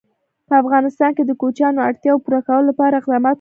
په افغانستان کې د کوچیان د اړتیاوو پوره کولو لپاره اقدامات کېږي.